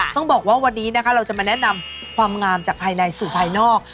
ต้องบอกว่าวันนี้นะคะเราจะมาแนะนำความงามจากภายในสู่ภายนอก